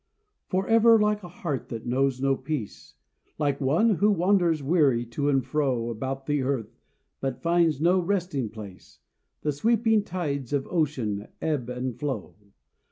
FOREVER, like a heart that knows no peace, Like one who wanders weary to and fro About the earth, but finds no resting place, The sweeping tides of ocean ebb and flow.